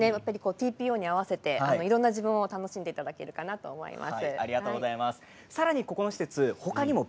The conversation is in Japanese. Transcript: ＴＰＯに合わせていろんな自分を楽しめるかなと思います。